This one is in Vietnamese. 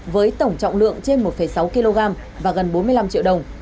với tổng trọng lượng trên một sáu kg và gần bốn mươi năm triệu đồng